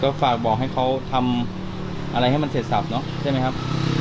ก็ฝากบอกให้เขาทำอะไรให้มันเสร็จสับเนอะใช่ไหมครับ